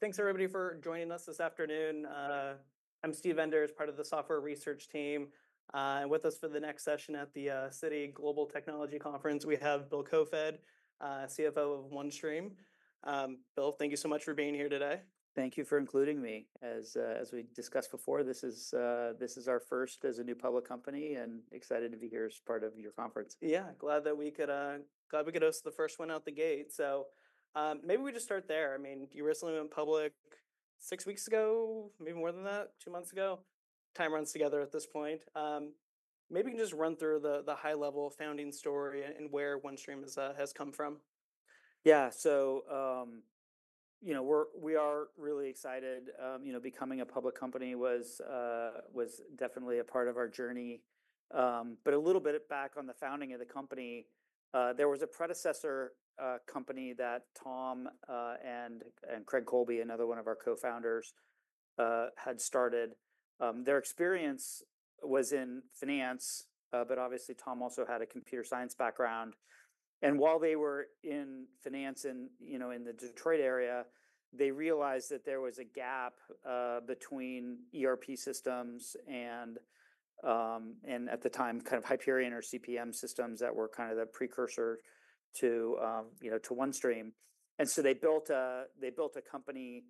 Thanks everybody for joining us this afternoon. I'm Steve Enders, part of the Software Research team, and with us for the next session at the Citi Global Technology Conference, we have Bill Koefoed, CFO of OneStream. Bill, thank you so much for being here today. Thank you for including me. As we discussed before, this is our first as a new public company, and excited to be here as part of your conference. Yeah, glad that we could, glad we could host the first one out the gate. So, maybe we just start there. I mean, you recently went public six weeks ago, maybe more than that, two months ago? Time runs together at this point. Maybe you can just run through the high-level founding story and where OneStream has come from. Yeah, so, you know, we are really excited. You know, becoming a public company was, was definitely a part of our journey. But a little bit back on the founding of the company, there was a predecessor company that Tom, and Craig Colby, another one of our Co-Founders, had started. Their experience was in finance, but obviously, Tom also had a computer science background, and while they were in finance and, you know, in the Detroit area, they realized that there was a gap between ERP systems and at the time, kind of Hyperion or CPM systems that were kind of the precursor to, you know, to OneStream. And so they built a company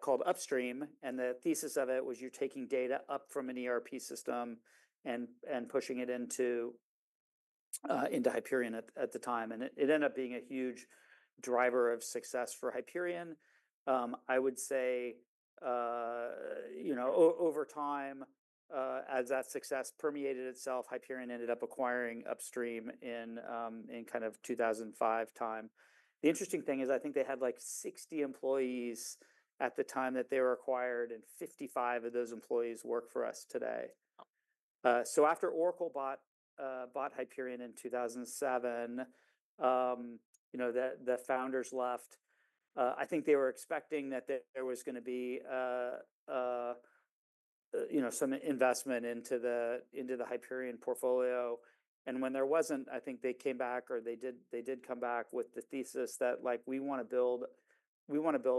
called UpStream, and the thesis of it was you're taking data up from an ERP system and pushing it into Hyperion at the time, and it ended up being a huge driver of success for Hyperion. I would say, you know, over time, as that success permeated itself, Hyperion ended up acquiring UpStream in kind of 2005 time. The interesting thing is, I think they had, like, 60 employees at the time that they were acquired, and 55 of those employees work for us today. Wow. So after Oracle bought Hyperion in 2007, you know, the founders left. I think they were expecting that there was gonna be, you know, some investment into the Hyperion portfolio, and when there wasn't, I think they came back, or they did come back with the thesis that, like, "We want to build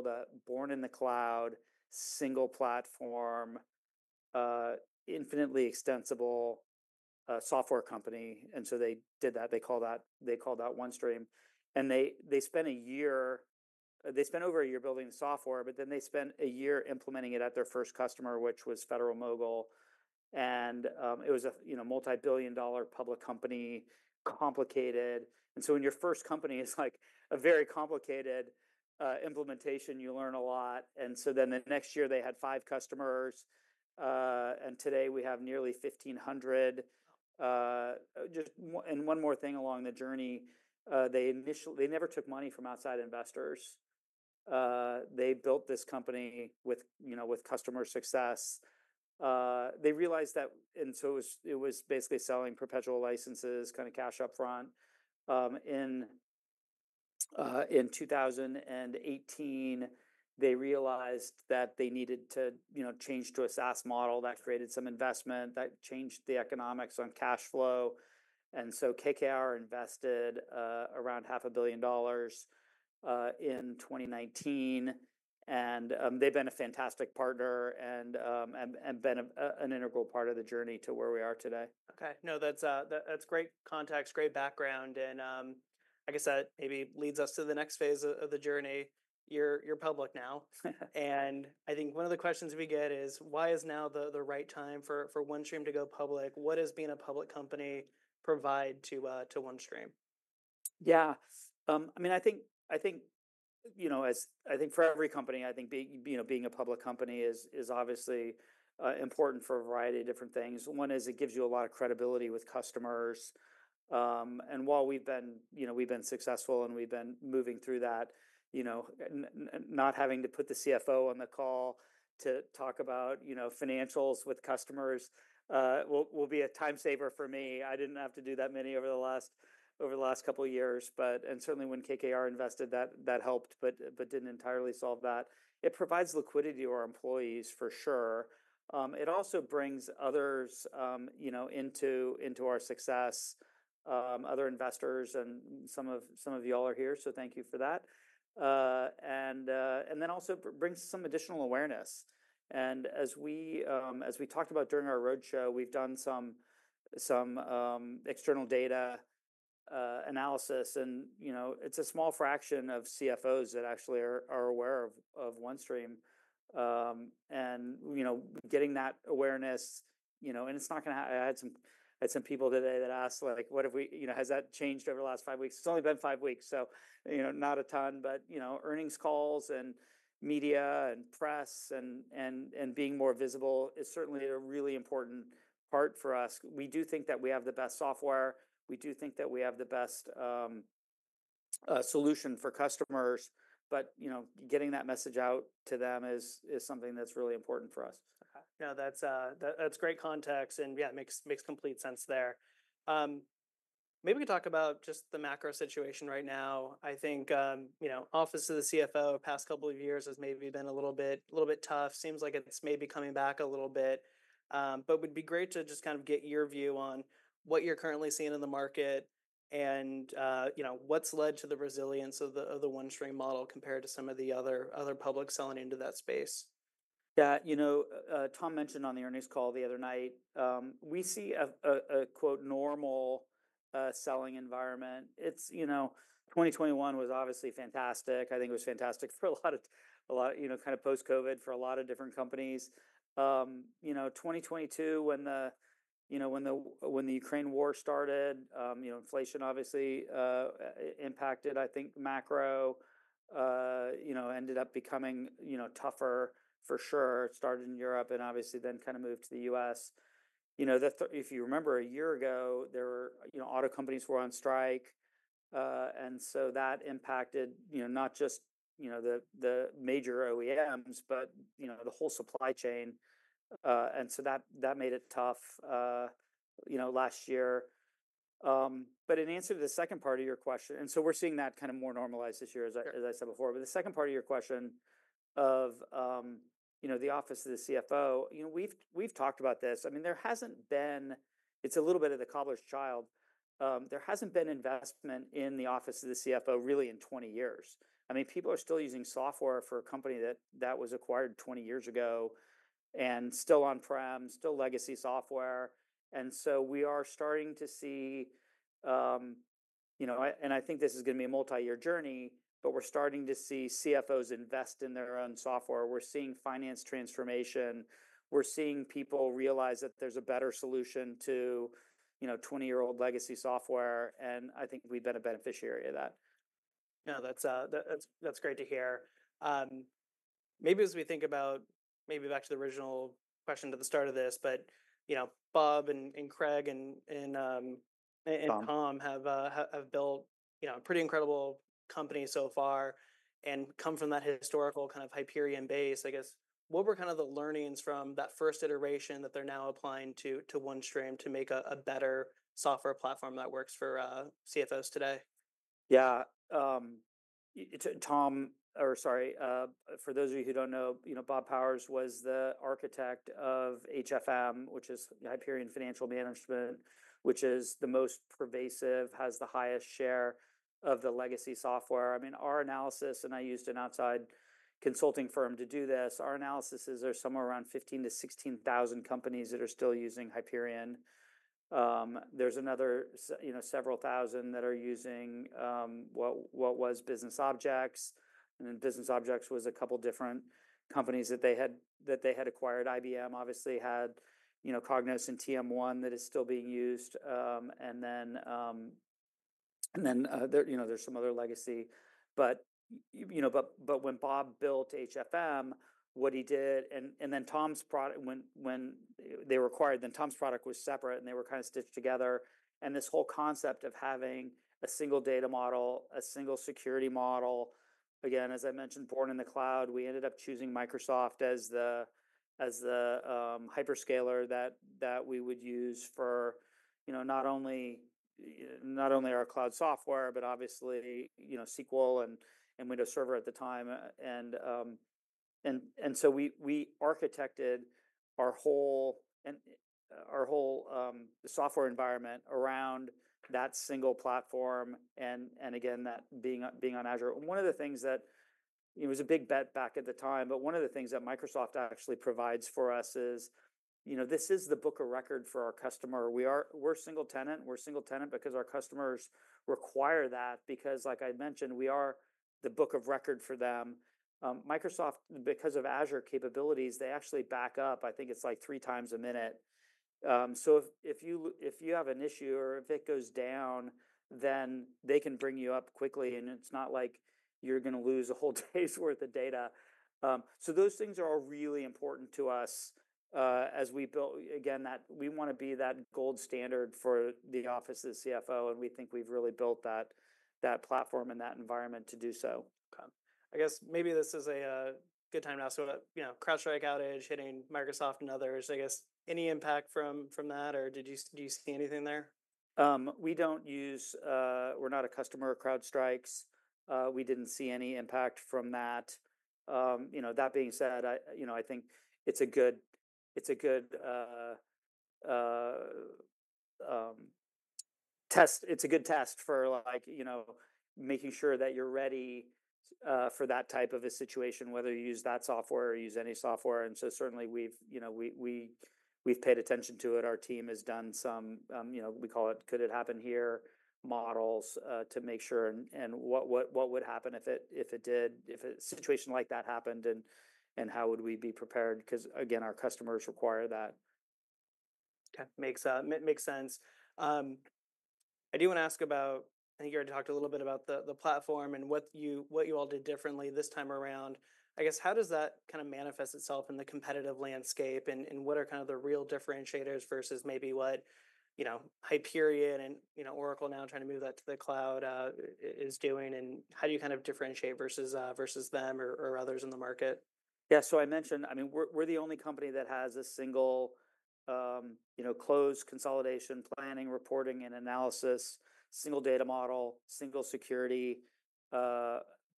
a born-in-the-cloud, single-platform, infinitely extensible, software company," and so they did that. They call that, they called that OneStream, and they spent over a year building the software, but then they spent a year implementing it at their first customer, which was Federal-Mogul, and it was a, you know, multi-billion-dollar public company, complicated. And so when your first company is, like, a very complicated implementation, you learn a lot. And so then the next year, they had five customers, and today we have nearly 1,500. Just one more thing along the journey. They initially never took money from outside investors. They built this company with, you know, with customer success. They realized that, and so it was basically selling perpetual licenses, kind of cash up front. In 2018, they realized that they needed to, you know, change to a SaaS model. That created some investment that changed the economics on cash flow, and so KKR invested around $500 million in 2019, and they've been a fantastic partner and been an integral part of the journey to where we are today. Okay. No, that's great context, great background, and I guess that maybe leads us to the next phase of the journey. You're public now. And I think one of the questions we get is, why is now the right time for OneStream to go public? What does being a public company provide to OneStream? Yeah. I mean, I think, you know, as I think for every company, I think being, you know, being a public company is obviously important for a variety of different things. One is it gives you a lot of credibility with customers. And while we've been, you know, we've been successful, and we've been moving through that, you know, not having to put the CFO on the call to talk about, you know, financials with customers, will be a time saver for me. I didn't have to do that many over the last, over the last couple of years, but... And certainly, when KKR invested, that helped, but didn't entirely solve that. It provides liquidity to our employees, for sure. It also brings others, you know, into our success, other investors, and some of y'all are here, so thank you for that. And then also brings some additional awareness, and as we talked about during our roadshow, we've done some external data analysis and, you know, it's a small fraction of CFOs that actually are aware of OneStream. And, you know, getting that awareness, you know, and it's not gonna. I had some people today that asked, like: What have we... You know, has that changed over the last five weeks? It's only been five weeks, so, you know, not a ton. But, you know, earnings calls, and media, and press, and being more visible is certainly a really important part for us. We do think that we have the best software. We do think that we have the best solution for customers, but you know, getting that message out to them is something that's really important for us. Okay. Yeah, that's that, that's great context, and yeah, it makes complete sense there. Maybe we can talk about just the macro situation right now. I think, you know, office of the CFO, the past couple of years has maybe been a little bit tough. Seems like it's maybe coming back a little bit, but would be great to just kind of get your view on what you're currently seeing in the market... and, you know, what's led to the resilience of the OneStream model compared to some of the other public selling into that space? Yeah, you know, Tom mentioned on the earnings call the other night, we see a quote, "normal," selling environment. It's, you know, 2021 was obviously fantastic. I think it was fantastic for a lot of, you know, kind of post-COVID for a lot of different companies. You know, 2022, when the Ukraine war started, you know, inflation obviously impacted, I think, macro, you know, ended up becoming, you know, tougher for sure. It started in Europe, and obviously then kind of moved to the U.S. You know, if you remember a year ago, there were, you know, auto companies were on strike, and so that impacted, you know, not just the major OEMs, but, you know, the whole supply chain. And so that made it tough, you know, last year. But in answer to the second part of your question, and so we're seeing that kind of more normalized this year. As I said before, but the second part of your question of, you know, the office of the CFO, you know, we've talked about this. I mean, there hasn't been... It's a little bit of the cobbler's child. There hasn't been investment in the office of the CFO really in twenty years. I mean, people are still using software for a company that was acquired twenty years ago and still on-prem, still legacy software, and so we are starting to see, you know, and I think this is gonna be a multi-year journey, but we're starting to see CFOs invest in their own software. We're seeing finance transformation. We're seeing people realize that there's a better solution to, you know, twenty-year-old legacy software, and I think we've been a beneficiary of that. No, that's great to hear. Maybe as we think about maybe back to the original question at the start of this, but you know, Bob and Craig and Tom. Tom Have built, you know, a pretty incredible company so far and come from that historical kind of Hyperion base, I guess. What were kind of the learnings from that first iteration that they're now applying to OneStream to make a better software platform that works for CFOs today? Yeah, it's Tom. Or sorry, for those of you who don't know, you know, Bob Powers was the architect of HFM, which is Hyperion Financial Management, which is the most pervasive, has the highest share of the legacy software. I mean, our analysis, and I used an outside consulting firm to do this, our analysis is there's somewhere around 15-16 thousand companies that are still using Hyperion. There's another, you know, several thousand that are using what was Business Objects, and Business Objects was a couple different companies that they had acquired. IBM obviously had, you know, Cognos and TM1 that is still being used. And then there, you know, there's some other legacy, but, you know, but when Bob built HFM, what he did, and then Tom's product, when they were acquired, then Tom's product was separate, and they were kinda stitched together, and this whole concept of having a single data model, a single security model. Again, as I mentioned, born in the cloud, we ended up choosing Microsoft as the hyperscaler that we would use for, you know, not only our cloud software, but obviously, you know, SQL and Windows Server at the time. And so we architected our whole software environment around that single platform, and again, that being on Azure. One of the things that, it was a big bet back at the time, but one of the things that Microsoft actually provides for us is, you know, this is the book of record for our customer. We're single tenant. We're single tenant because our customers require that, because, like I mentioned, we are the book of record for them. Microsoft, because of Azure capabilities, they actually back up, I think it's, like, three times a minute. So if you have an issue or if it goes down, then they can bring you up quickly, and it's not like you're gonna lose a whole day's worth of data. So those things are all really important to us, as we build. Again, that we wanna be that gold standard for the office of the CFO, and we think we've really built that platform and that environment to do so. Okay. I guess maybe this is a good time to ask about, you know, CrowdStrike outage hitting Microsoft and others. I guess, any impact from that, or do you see anything there? We don't use, we're not a customer of CrowdStrike's. We didn't see any impact from that. You know, that being said, I, you know, I think it's a good test for, like, you know, making sure that you're ready for that type of a situation, whether you use that software or you use any software, and so certainly, we've, you know, we, we've paid attention to it. Our team has done some, you know, we call it could it happen here models, to make sure, and what would happen if it did, if a situation like that happened, and how would we be prepared? Because, again, our customers require that. Okay. Makes sense. I do want to ask about, I think you already talked a little bit about the platform and what you all did differently this time around. I guess, how does that kind of manifest itself in the competitive landscape, and what are kind of the real differentiators versus maybe what, you know, Hyperion and, you know, Oracle now trying to move that to the cloud, is doing, and how do you kind of differentiate versus them or others in the market? Yeah. So I mentioned, I mean, we're the only company that has a single, you know, closed consolidation, planning, reporting, and analysis, single data model, single security.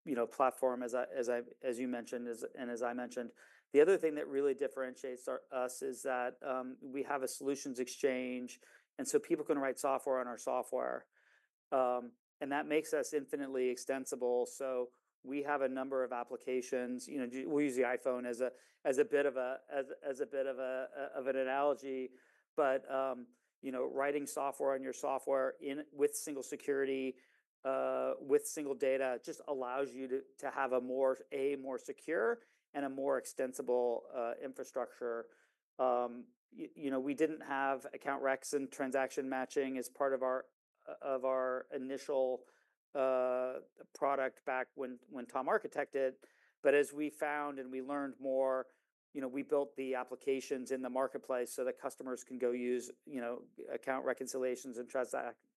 You know, platform as I mentioned, as you mentioned, and as I mentioned. The other thing that really differentiates us is that, we have a Solution Exchange, and so people can write software on our software. And that makes us infinitely extensible, so we have a number of applications. You know, we use the iPhone as a bit of an analogy. But, you know, writing software on your software with single security, with single data, just allows you to have a more secure and a more extensible infrastructure. You know, we didn't have account recs and Transaction Matching as part of our initial product back when Tom architected. But as we found and we learned more, you know, we built the applications in the MarketPlace so that customers can go use, you know, Account Reconciliations and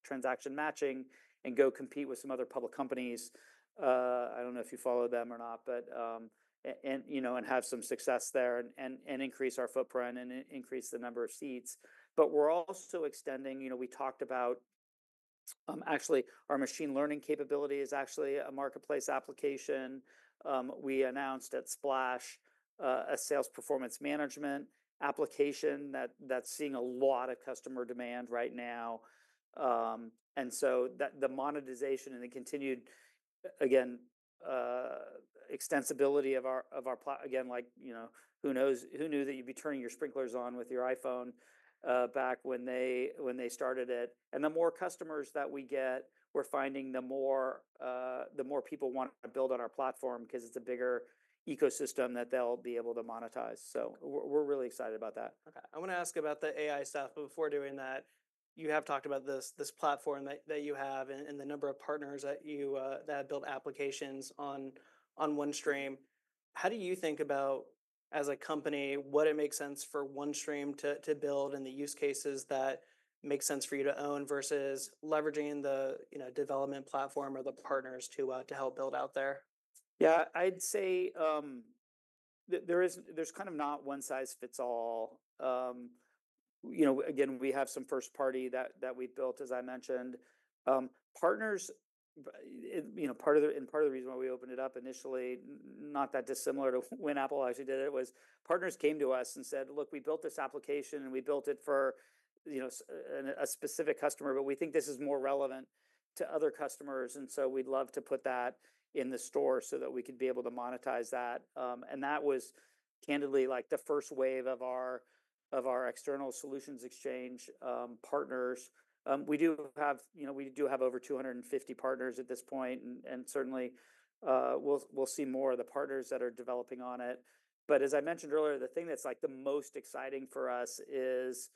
Transaction Matching and go compete with some other public companies. I don't know if you follow them or not, but and, you know, and have some success there and increase our footprint and increase the number of seats. But we're also extending. You know, we talked about actually, our machine learning capability is actually a MarketPlace application. We announced at Splash a Sales Performance Management application that's seeing a lot of customer demand right now. And so the monetization and the continued extensibility of our platform again, like, you know, who knows, who knew that you'd be turning your sprinklers on with your iPhone back when they started it? And the more customers that we get, we're finding the more people want to build on our platform 'cause it's a bigger ecosystem that they'll be able to monetize. So we're really excited about that. Okay, I want to ask about the AI stuff, but before doing that, you have talked about this platform that you have and the number of partners that you build applications on OneStream. How do you think about, as a company, would it make sense for OneStream to build and the use cases that make sense for you to own versus leveraging the, you know, development platform or the partners to help build out there? Yeah, I'd say, there is, there's kind of not one size fits all. You know, again, we have some first party that, that we built, as I mentioned. Partners, you know, part of the, and part of the reason why we opened it up initially, not that dissimilar to when Apple actually did it, was partners came to us and said: "Look, we built this application, and we built it for, you know, a specific customer, but we think this is more relevant to other customers, and so we'd love to put that in the store so that we could be able to monetize that." And that was candidly like the first wave of our external Solutions Exchange, partners. We do have, you know, over 250 partners at this point, and certainly we'll see more of the partners that are developing on it. But as I mentioned earlier, the thing that's, like, the most exciting for us is,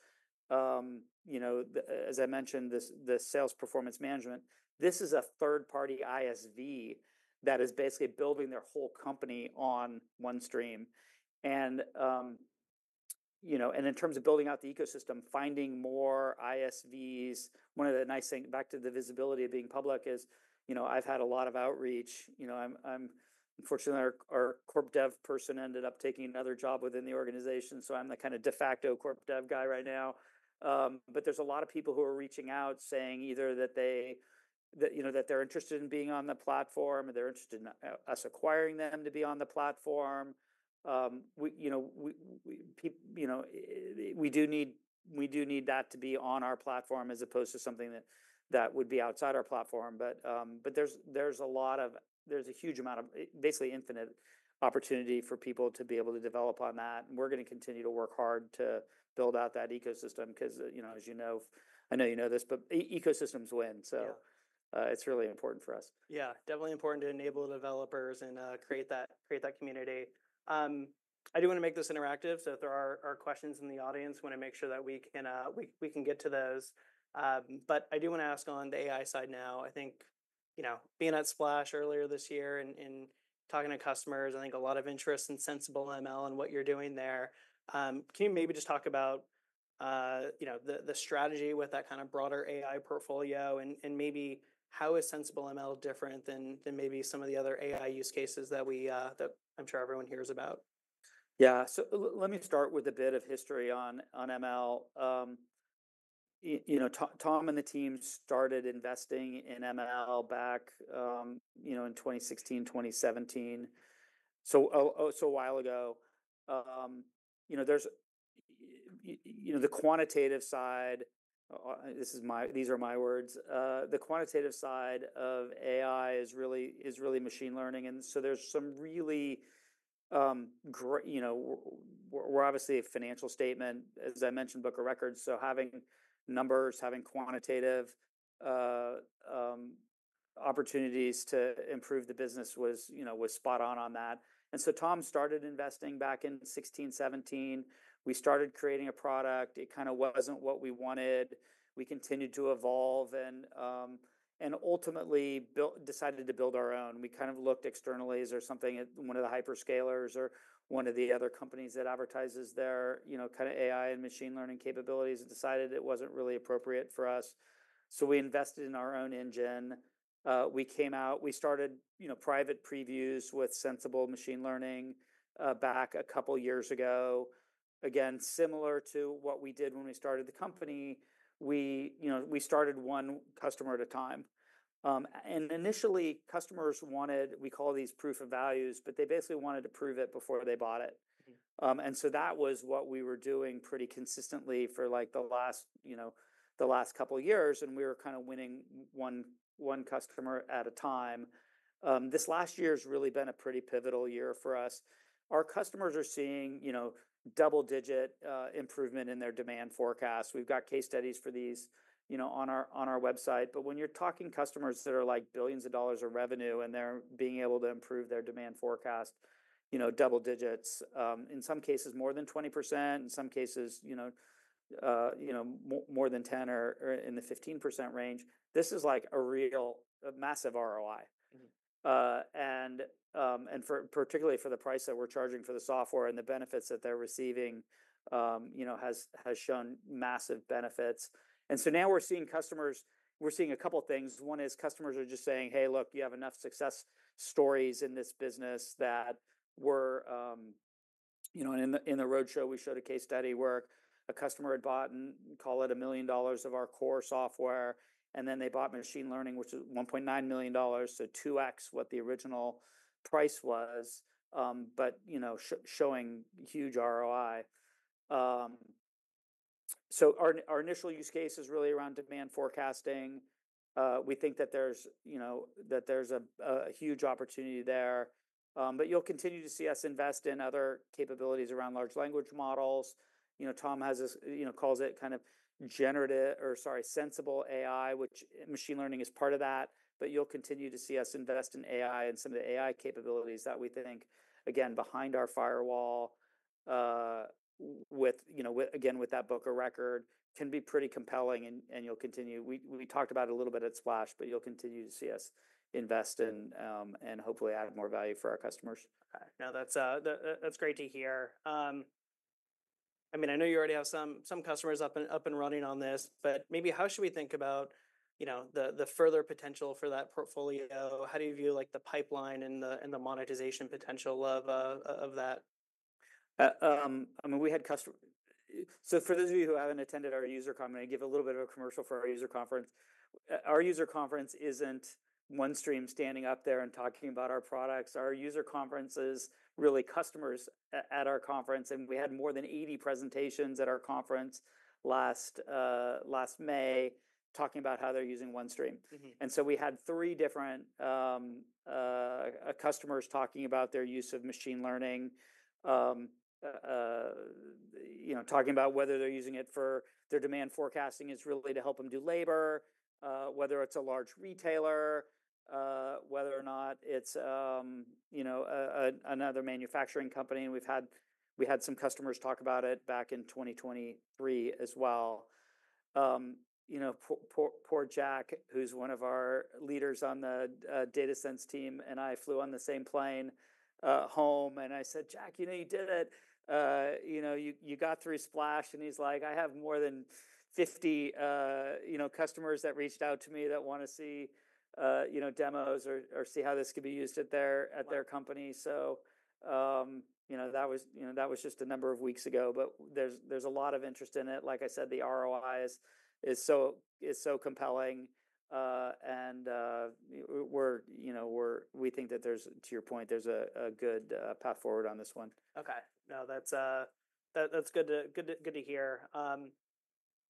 you know, as I mentioned, the sales performance management. This is a third-party ISV that is basically building their whole company on OneStream. And, you know, and in terms of building out the ecosystem, finding more ISVs, one of the nice thing, back to the visibility of being public is, you know, I've had a lot of outreach. You know, unfortunately, our corp dev person ended up taking another job within the organization, so I'm the kind of de facto corp dev guy right now. But there's a lot of people who are reaching out, saying either that they, you know, that they're interested in being on the platform, or they're interested in us acquiring them to be on the platform. We, you know, we do need that to be on our platform as opposed to something that would be outside our platform. But, but there's a huge amount of, basically infinite opportunity for people to be able to develop on that. And we're gonna continue to work hard to build out that ecosystem 'cause, you know, as you know, I know you know this, but ecosystems win, so, it's really important for us. Yeah, definitely important to enable the developers and create that community. I do want to make this interactive, so if there are questions in the audience, I want to make sure that we can get to those, but I do want to ask on the AI side now. I think, you know, being at Splash earlier this year and talking to customers, I think a lot of interest in Sensible ML and what you're doing there. Can you maybe just talk about, you know, the strategy with that kind of broader AI portfolio and maybe how is Sensible ML different than maybe some of the other AI use cases that I'm sure everyone hears about? Yeah, so let me start with a bit of history on, on ML. You know, Tom and the team started investing in ML back, you know, in 2016, 2017, so a while ago. You know, there's, you know, the quantitative side, this is my, these are my words. The quantitative side of AI is really machine learning, and so there's some really great. You know, we're obviously a financial statement, as I mentioned, book of record, so having numbers, having quantitative opportunities to improve the business was, you know, spot on on that. Tom started investing back in 2016, 2017. We started creating a product. It kind of wasn't what we wanted. We continued to evolve and, and ultimately built, decided to build our own. We kind of looked externally, is there something at one of the hyperscalers or one of the other companies that advertises their, you know, kind of AI and machine learning capabilities? And decided it wasn't really appropriate for us. So we invested in our own engine. We came out, we started, you know, private previews with Sensible Machine Learning, back a couple years ago. Again, similar to what we did when we started the company, we, you know, we started one customer at a time. And initially, customers wanted, we call these proof of values, but they basically wanted to prove it before they bought it. Mm-hmm. And so that was what we were doing pretty consistently for, like, the last, you know, the last couple years, and we were kind of winning one customer at a time. This last year has really been a pretty pivotal year for us. Our customers are seeing, you know, double-digit improvement in their demand forecast. We've got case studies for these, you know, on our website. But when you're talking customers that are, like, billions of dollars of revenue, and they're being able to improve their demand forecast, you know, double digits, in some cases more than 20%, in some cases, you know, more than 10% or in the 15% range, this is, like, a real, a massive ROI. Mm-hmm. And for particularly for the price that we're charging for the software and the benefits that they're receiving, you know, has shown massive benefits. And so now we're seeing customers. We're seeing a couple things. One is customers are just saying: "Hey, look, you have enough success stories in this business that we're..." You know, and in the roadshow, we showed a case study where a customer had bought, call it $1 million of our core software, and then they bought machine learning, which is $1.9 million, so 2X what the original price was. But you know, showing huge ROI. So our initial use case is really around demand forecasting. We think that there's you know, that there's a huge opportunity there. But you'll continue to see us invest in other capabilities around large language models. You know, Tom has this. You know, calls it kind of generative or, sorry, sensible AI, which machine learning is part of that. But you'll continue to see us invest in AI and some of the AI capabilities that we think, again, behind our firewall, with, you know, with, again, with that book of record, can be pretty compelling, and you'll continue. We talked about it a little bit at Splash, but you'll continue to see us invest in, and hopefully add more value for our customers. Okay. Now that's great to hear. I mean, I know you already have some customers up and running on this, but maybe how should we think about, you know, the further potential for that portfolio? How do you view, like, the pipeline and the monetization potential of that? I mean, so for those of you who haven't attended our user conference, I give a little bit of a commercial for our user conference. Our user conference isn't OneStream standing up there and talking about our products. Our user conference is really customers at our conference, and we had more than 80 presentations at our conference last May, talking about how they're using OneStream. Mm-hmm. And so we had three different customers talking about their use of machine learning. You know, talking about whether they're using it for their demand forecasting, it's really to help them do labor, whether it's a large retailer, whether or not it's, you know, a another manufacturing company, and we've had. We had some customers talk about it back in 2023 as well. You know, Poor Jack, who's one of our leaders on the Data Science team, and I flew on the same plane home, and I said, "Jack, you know, you did it. You know, you got through Splash, and he's like: "I have more than fifty, you know, customers that reached out to me that wanna see demos or see how this could be used at their company. So, you know, that was just a number of weeks ago, but there's a lot of interest in it. Like I said, the ROI is so compelling, and we're, you know, we think that there's, to your point, a good path forward on this one. Okay. No, that's good to hear.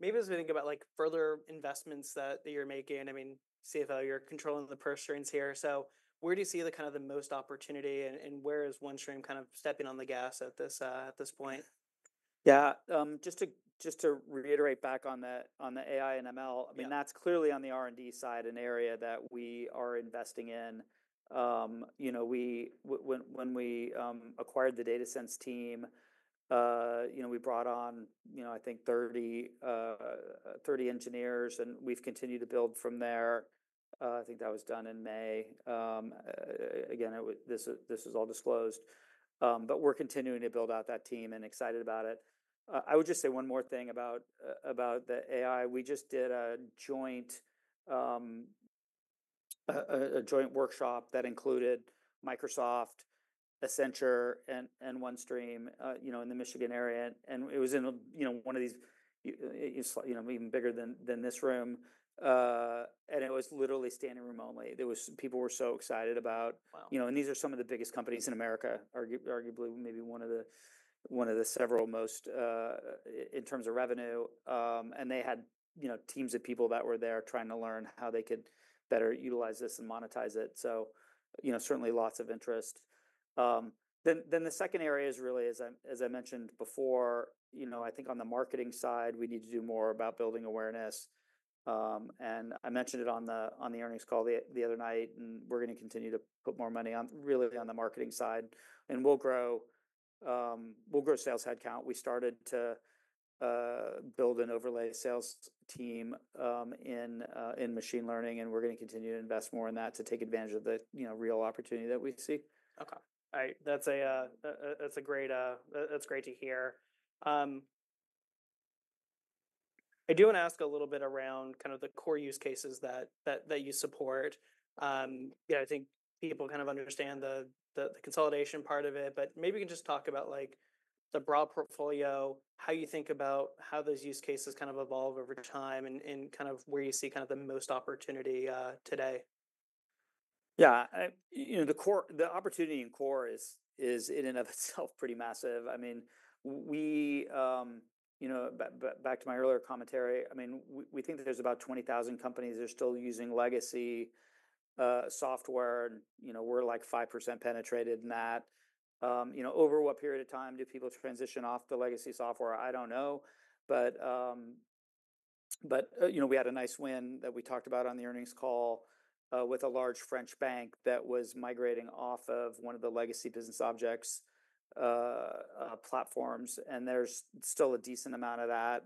Maybe as we think about, like, further investments that you're making, I mean, CFO, you're controlling the purse strings here, so where do you see kind of the most opportunity, and where is OneStream kind of stepping on the gas at this point? Yeah, just to reiterate back on the AI and ML. I mean, that's clearly on the R&D side, an area that we are investing in. You know, we, when we acquired the Data Sense team, you know, we brought on, you know, I think 30, 30 engineers, and we've continued to build from there. I think that was done in May. Again, it, this is all disclosed. But we're continuing to build out that team and excited about it. I would just say one more thing about, about the AI. We just did a joint, a joint workshop that included Microsoft, Accenture, and OneStream, you know, in the Michigan area, and it was in a, you know, one of these, you know, even bigger than this room. And it was literally standing room only. People were so excited about- Wow! You know, and these are some of the biggest companies in America, arguably maybe one of the several most in terms of revenue. And they had, you know, teams of people that were there trying to learn how they could better utilize this and monetize it, so, you know, certainly lots of interest. Then the second area is really, as I mentioned before, you know, I think on the marketing side, we need to do more about building awareness. And I mentioned it on the earnings call the other night, and we're gonna continue to put more money on, really on the marketing side, and we'll grow sales headcount. We started to build an overlay sales team in machine learning, and we're gonna continue to invest more in that to take advantage of the, you know, real opportunity that we see. Okay, all right. That's great to hear. I do want to ask a little bit around kind of the core use cases that you support. You know, I think people kind of understand the consolidation part of it, but maybe you can just talk about, like, the broad portfolio, how you think about how those use cases kind of evolve over time and kind of where you see kind of the most opportunity today. Yeah, you know, the core, the opportunity in core is in and of itself pretty massive. I mean, we think that there's about 20,000 companies that are still using legacy software. And, you know, we're like 5% penetrated in that. You know, over what period of time do people transition off the legacy software? I don't know. But, you know, we had a nice win that we talked about on the earnings call with a large French bank that was migrating off of one of the legacy Business Objects platforms, and there's still a decent amount of that.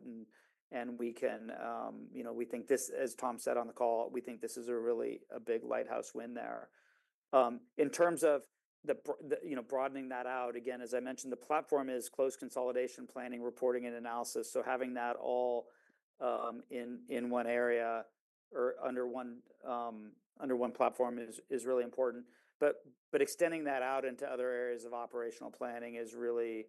We can, you know, we think this, as Tom said on the call, we think this is really a big lighthouse win there. In terms of the broadening that out, again, as I mentioned, the platform is close consolidation, planning, reporting, and analysis. So having that all in one area or under one platform is really important. Extending that out into other areas of operational planning is really,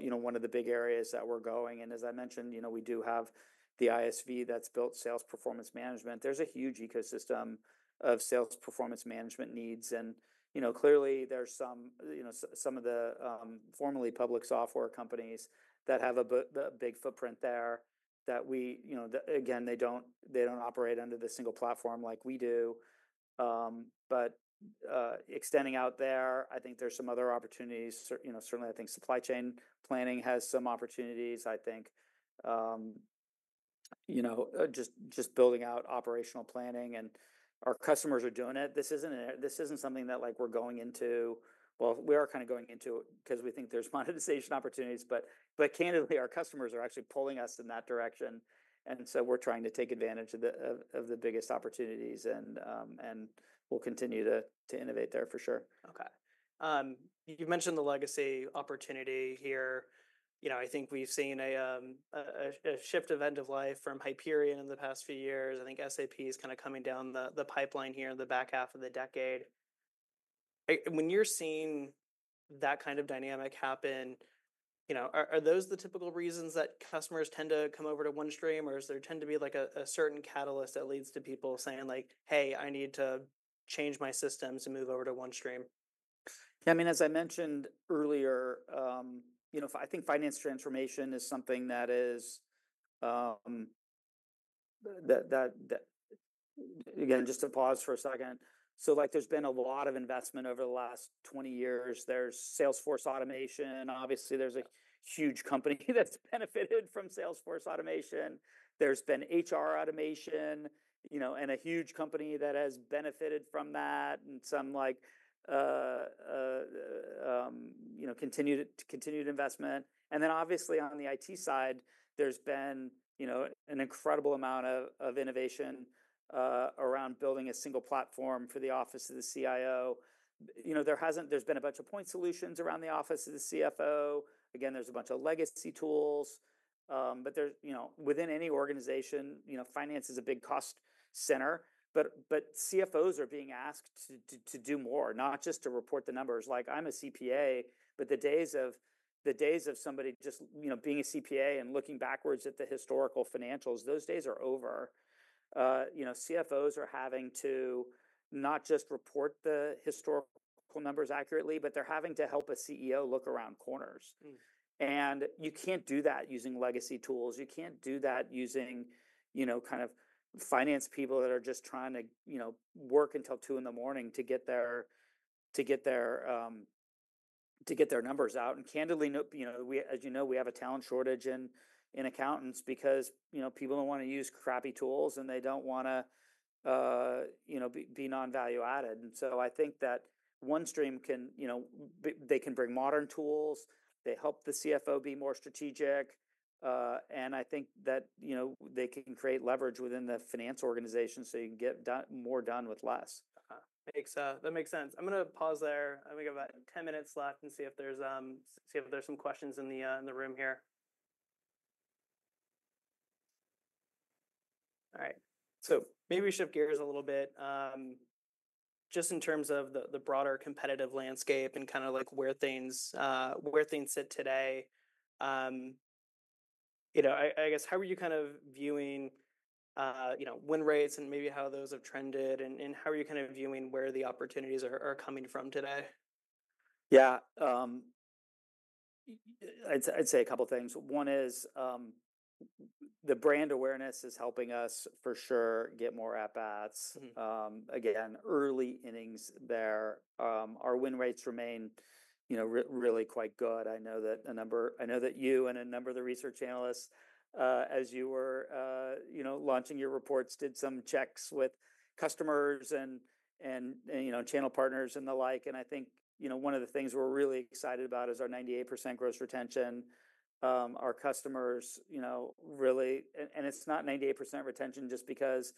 you know, one of the big areas that we're going. As I mentioned, you know, we do have the ISV that's built sales performance management. There's a huge ecosystem of sales performance management needs. You know, clearly there's some, you know, some of the formerly public software companies that have a big footprint there that we, you know, that again, they don't operate under the single platform like we do, but extending out there, I think there's some other opportunities. You know, certainly, I think supply chain planning has some opportunities. I think, you know, just building out operational planning, and our customers are doing it. This isn't something that, like, we're going into, well, we are kind of going into it 'cause we think there's monetization opportunities, but candidly, our customers are actually pulling us in that direction, and so we're trying to take advantage of the biggest opportunities, and we'll continue to innovate there for sure. Okay. You've mentioned the legacy opportunity here. You know, I think we've seen a shift of end of life from Hyperion in the past few years. I think SAP is kind of coming down the pipeline here in the back half of the decade. When you're seeing that kind of dynamic happen, you know, are those the typical reasons that customers tend to come over to OneStream, or is there tend to be like a certain catalyst that leads to people saying, like, "Hey, I need to change my systems and move over to OneStream? I mean, as I mentioned earlier, you know, I think finance transformation is something that is... Again, just to pause for a second. So, like, there's been a lot of investment over the last 20 years. There's sales force automation. Obviously, there's a- Yeah Huge company that's benefited from Salesforce automation. There's been HR automation, you know, and a huge company that has benefited from that, and some like, you know, continued investment. And then obviously on the IT side, there's been, you know, an incredible amount of innovation around building a single platform for the office of the CIO. You know, there hasn't-- there's been a bunch of point solutions around the office of the CFO. Again, there's a bunch of legacy tools, but, you know, within any organization, you know, finance is a big cost center. But CFOs are being asked to do more, not just to report the numbers. Like, I'm a CPA, but the days of somebody just, you know, being a CPA and looking backwards at the historical financials, those days are over. You know, CFOs are having to not just report the historical numbers accurately, but they're having to help a CEO look around corners. Mm. And you can't do that using legacy tools. You can't do that using, you know, kind of finance people that are just trying to, you know, work until two in the morning to get their numbers out. And candidly, no, you know, we, as you know, we have a talent shortage in accountants because, you know, people don't want to use crappy tools, and they don't wanna, you know, be non-value-added. And so I think that OneStream can, you know, they can bring modern tools. They help the CFO be more strategic, and I think that, you know, they can create leverage within the finance organization, so you can get more done with less. That makes sense. I'm gonna pause there. I think we've got about ten minutes left and see if there's some questions in the room here. All right, so maybe we shift gears a little bit, just in terms of the broader competitive landscape and kind of like where things sit today. You know, I guess, how are you kind of viewing, you know, win rates and maybe how those have trended, and how are you kind of viewing where the opportunities are coming from today? Yeah, I'd say a couple things. One is, the brand awareness is helping us for sure get more at bats. Mm-hmm. Again, early innings there. Our win rates remain, you know, really quite good. I know that you and a number of the research analysts, as you were, you know, launching your reports, did some checks with customers and, and, you know, channel partners and the like. And I think, you know, one of the things we're really excited about is our 98% gross retention. Our customers, you know, really... And it's not 98% retention just because,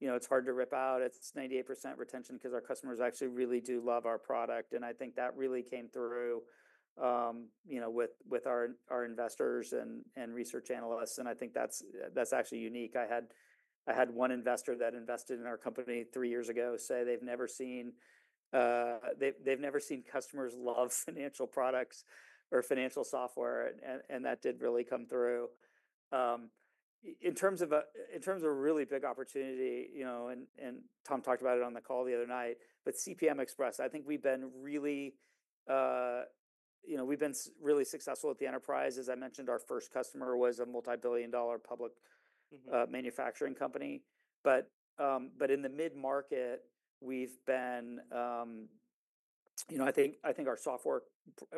you know, it's hard to rip out. It's 98% retention 'cause our customers actually really do love our product, and I think that really came through, you know, with our investors and research analysts, and I think that's actually unique. I had one investor that invested in our company three years ago say they've never seen customers love financial products or financial software, and that did really come through. In terms of a really big opportunity, you know, and Tom talked about it on the call the other night, but CPM Express, I think we've been really, you know, we've been really successful at the enterprise. As I mentioned, our first customer was a multi-billion dollar public- Mm-hmm Manufacturing company. But in the mid-market, we've been, you know, I think our software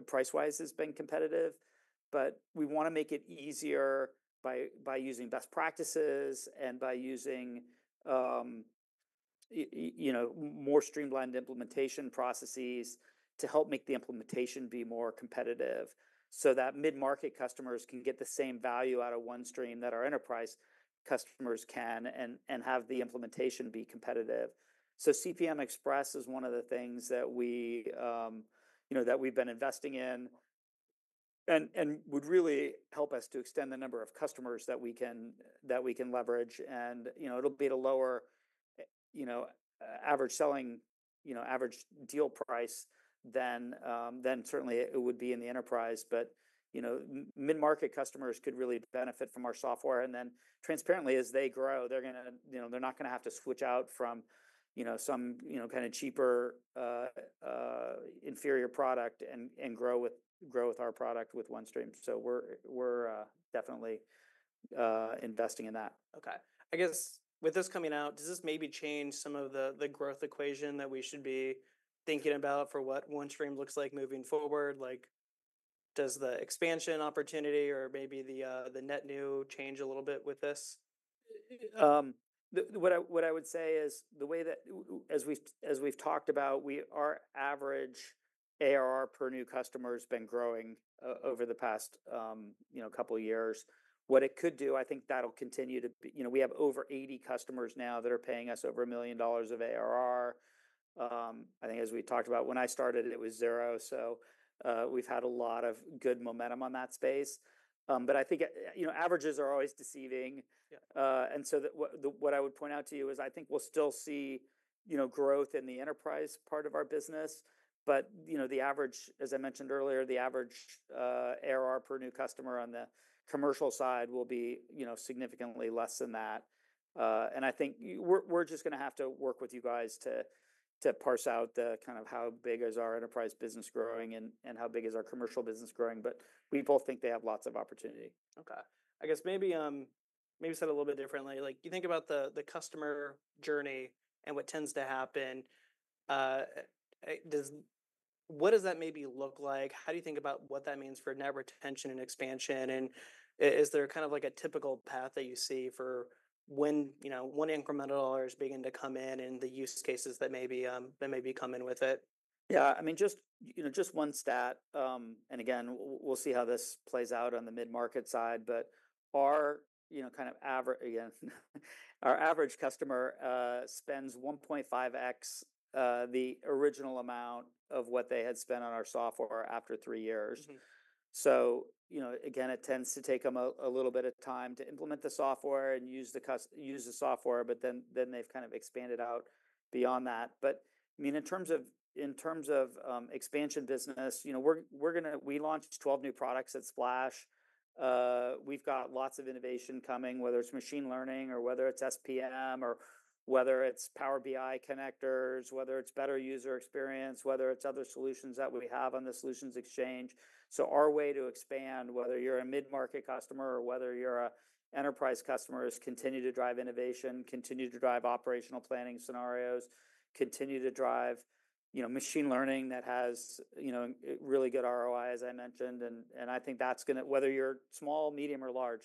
price-wise has been competitive, but we wanna make it easier by using best practices and by using, you know, more streamlined implementation processes to help make the implementation be more competitive. So that mid-market customers can get the same value out of OneStream that our enterprise customers can, and have the implementation be competitive. So CPM Express is one of the things that we, you know, that we've been investing in, and would really help us to extend the number of customers that we can leverage. And, you know, it'll be at a lower, you know, average selling, you know, average deal price than certainly it would be in the enterprise. But, you know, mid-market customers could really benefit from our software, and then transparently, as they grow, they're gonna, you know, they're not gonna have to switch out from, you know, some, you know, kinda cheaper, inferior product and grow with our product with OneStream. So we're definitely investing in that. Okay. I guess with this coming out, does this maybe change some of the growth equation that we should be thinking about for what OneStream looks like moving forward? Like, does the expansion opportunity or maybe the net new change a little bit with this? What I would say is the way that as we've talked about, our average ARR per new customer has been growing over the past, you know, couple of years. What it could do, I think that'll continue to be. You know, we have over 80 customers now that are paying us over $1 million of ARR. I think as we talked about, when I started, it was zero, so we've had a lot of good momentum on that space. But I think, you know, averages are always deceiving. Yeah. And so what I would point out to you is, I think we'll still see, you know, growth in the enterprise part of our business, but, you know, the average, as I mentioned earlier, ARR per new customer on the commercial side will be, you know, significantly less than that. And I think we're just gonna have to work with you guys to parse out the kind of how big is our enterprise business growing and how big is our commercial business growing, but we both think they have lots of opportunity. Okay. I guess maybe said a little bit differently, like, you think about the customer journey and what tends to happen, what does that maybe look like? How do you think about what that means for net retention and expansion, and is there kind of like a typical path that you see for when, you know, when incremental dollars begin to come in and the use cases that maybe come in with it? Yeah. I mean, just, you know, just one stat, and again, we'll see how this plays out on the mid-market side, but our, you know, kind of again, our average customer spends 1.5X the original amount of what they had spent on our software after three years. Mm-hmm. So, you know, again, it tends to take them a little bit of time to implement the software and use the software, but then they've kind of expanded out beyond that. But, I mean, in terms of expansion business, you know, we launched 12 new products at Splash. We've got lots of innovation coming, whether it's machine learning or whether it's SPM or whether it's Power BI connectors, whether it's better user experience, whether it's other solutions that we have on the Solutions Exchange. So our way to expand, whether you're a mid-market customer or whether you're a enterprise customer, is continue to drive innovation, continue to drive operational planning scenarios, continue to drive, you know, machine learning that has, you know, a really good ROI, as I mentioned, and I think that's gonna... Whether you're small, medium, or large,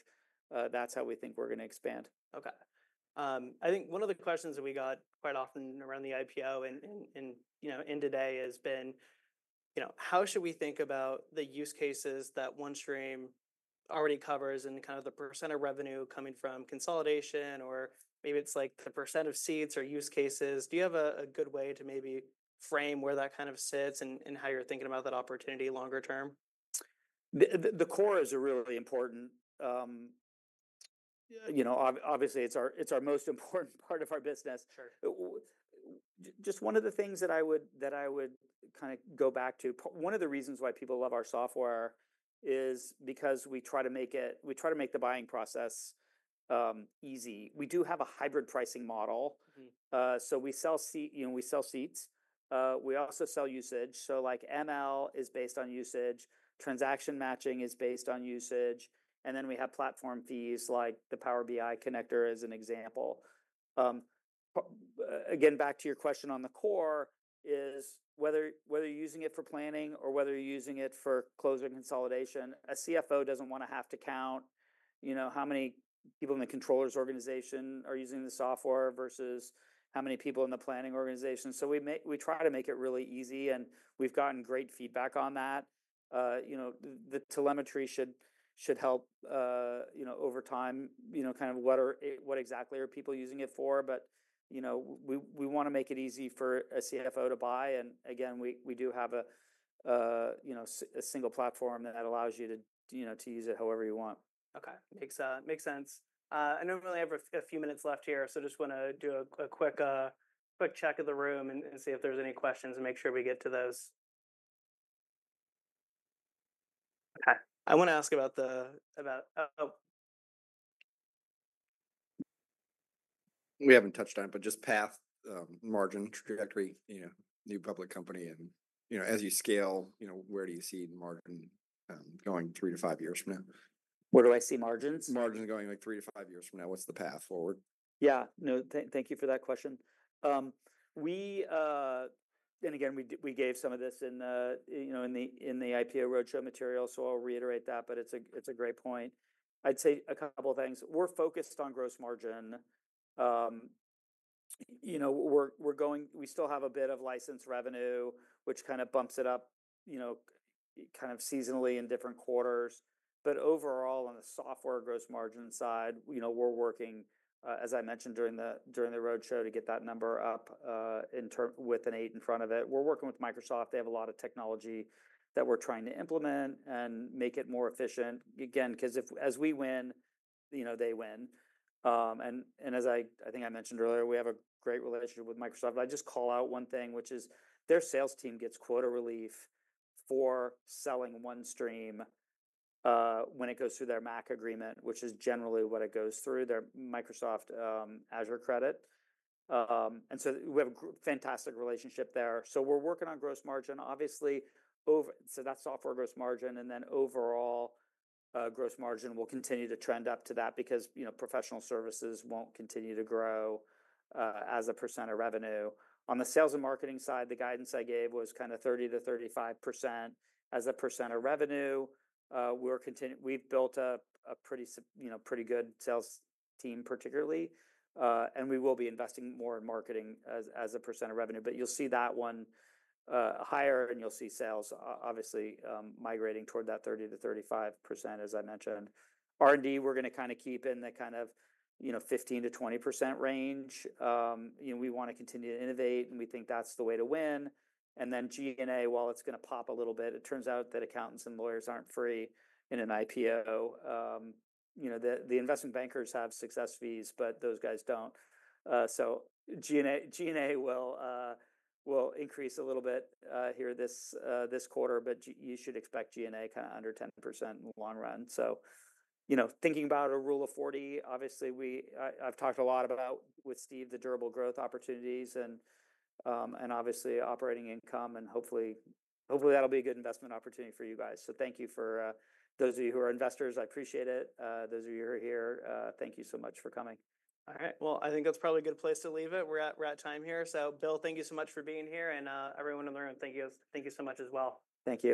that's how we think we're gonna expand. Okay. I think one of the questions that we got quite often around the IPO and, you know, end of day has been, you know, how should we think about the use cases that OneStream already covers and kind of the percent of revenue coming from consolidation, or maybe it's like the percent of seats or use cases. Do you have a good way to maybe frame where that kind of sits and how you're thinking about that opportunity longer-term? The core is a really important, you know, obviously, it's our most important part of our business. Sure. Just one of the things that I would kind of go back to, one of the reasons why people love our software is because we try to make the buying process easy. We do have a hybrid pricing model. Mm-hmm. So we sell seats, you know. We also sell usage, so like ML is based on usage, Transaction Matching is based on usage, and then we have platform fees, like the Power BI connector, as an example. Again, back to your question on the core, is whether you're using it for planning or whether you're using it for closing consolidation. A CFO doesn't wanna have to count, you know, how many people in the controller's organization are using the software versus how many people in the planning organization? So we try to make it really easy, and we've gotten great feedback on that. You know, the telemetry should help, you know, over time, kind of what exactly are people using it for. But, you know, we wanna make it easy for a CFO to buy, and again, we do have a single platform that allows you to, you know, to use it however you want. Okay. Makes sense. I know we only have a few minutes left here, so just wanna do a quick check of the room and see if there's any questions, and make sure we get to those. Okay, I wanna ask about the, about, oh- We haven't touched on it, but just path, margin trajectory, you know, new public company, and, you know, as you scale, you know, where do you see margin going three to five years from now? Where do I see margins? Margins going, like, three to five years from now, what's the path forward? Yeah, no, thank you for that question. And again, we gave some of this in the you know in the IPO roadshow material, so I'll reiterate that, but it's a great point. I'd say a couple things. We're focused on gross margin. You know, we're going we still have a bit of licensed revenue, which kind of bumps it up, you know, kind of seasonally in different quarters, but overall, on the software gross margin side, you know, we're working as I mentioned during the roadshow, to get that number up in term with an eight in front of it. We're working with Microsoft. They have a lot of technology that we're trying to implement and make it more efficient. Again, 'cause as we win, you know, they win. As I think I mentioned earlier, we have a great relationship with Microsoft. I'd just call out one thing, which is their sales team gets quota relief for selling OneStream, when it goes through their MACC agreement, which is generally what it goes through, their Microsoft Azure credit. And so we have a fantastic relationship there. So we're working on gross margin, obviously, so that's software gross margin, and then overall, gross margin will continue to trend up to that because, you know, professional services won't continue to grow, as a percent of revenue. On the sales and marketing side, the guidance I gave was kinda 30%-35% as a percent of revenue. We're contin... We've built up a pretty you know, pretty good sales team, particularly, and we will be investing more in marketing as a percent of revenue, but you'll see that one higher, and you'll see sales obviously migrating toward that 30%-35%, as I mentioned. R&D, we're gonna kinda keep in the kind of, you know, 15%-20% range. You know, we wanna continue to innovate, and we think that's the way to win, and then G&A, while it's gonna pop a little bit, it turns out that accountants and lawyers aren't free in an IPO. You know, the investment bankers have success fees, but those guys don't. So G&A will increase a little bit here this quarter, but you should expect G&A kinda under 10% in the long run. So, you know, thinking about a Rule of 40, obviously I've talked a lot about, with Steve, the durable growth opportunities and obviously operating income, and hopefully, that'll be a good investment opportunity for you guys. So thank you for those of you who are investors, I appreciate it. Those of you who are here, thank you so much for coming. All right. I think that's probably a good place to leave it. We're at time here. Bill, thank you so much for being here, and everyone in the room, thank you, thank you so much as well. Thank you.